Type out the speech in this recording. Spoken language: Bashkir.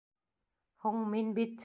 Һуң мин бит...